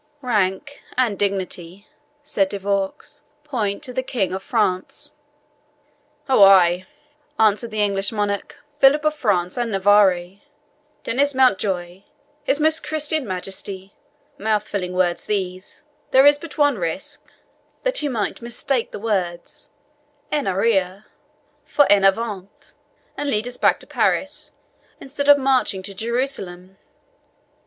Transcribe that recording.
"Rank and dignity," said De Vaux, "point to the King of France." "Oh, ay," answered the English monarch, "Philip of France and Navarre Denis Mountjoie his most Christian Majesty! Mouth filling words these! There is but one risk that he might mistake the words EN ARRIERE for EN AVANT, and lead us back to Paris, instead of marching to Jerusalem.